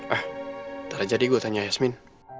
ah ntar aja deh gue tanya yasmin